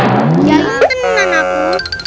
kiai temenan aku